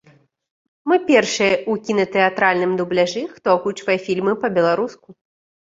Мы першыя ў кінатэатральным дубляжы, хто агучвае фільмы па-беларуску.